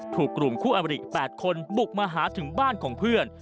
ถูกกลุ่มคู่อบริ๘คนบุกมาหาถึงบ้านของเพื่อน